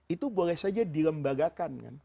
itu boleh saja dilembagakan